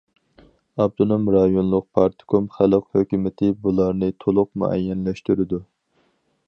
ئاپتونوم رايونلۇق پارتكوم، خەلق ھۆكۈمىتى بۇلارنى تولۇق مۇئەييەنلەشتۈرىدۇ.